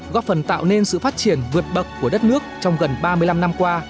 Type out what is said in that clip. góp phần tạo nên sự phát triển vượt bậc của đất nước trong gần ba mươi năm năm qua